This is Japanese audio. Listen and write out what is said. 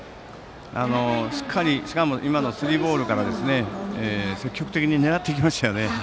しかもスリーボールから積極的に狙っていきましたよね。